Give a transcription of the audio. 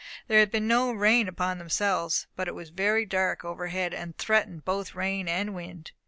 There had been no rain upon themselves, but it was very dark overhead, and threatened both rain and wind.